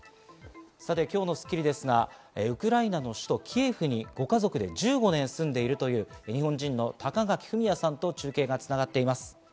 今日の『スッキリ』ですが、ウクライナの首都キエフにご家族で１５年住んでいるという日本人の高垣典哉さんと中継が繋がっています。